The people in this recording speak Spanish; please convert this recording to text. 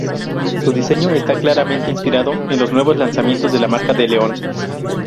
Su diseño está claramente inspirado en los nuevos lanzamientos de la marca del león.